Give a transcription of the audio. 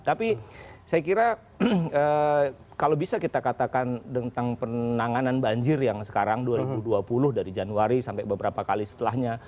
tapi saya kira kalau bisa kita katakan tentang penanganan banjir yang sekarang dua ribu dua puluh dari januari sampai beberapa kali setelahnya